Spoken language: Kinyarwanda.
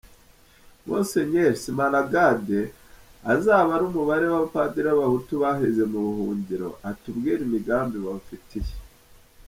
Myr Smaragde azabare umubare w’abapadiri b’ababahutu baheze buhungiro, atubwire imigambi babafitiye.